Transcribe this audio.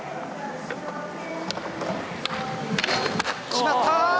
決まった！